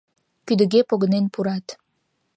Кӱдыге погынен пурат.